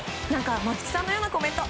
松木さんのようなコメント。